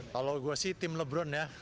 kalau gue sih tim lebron ya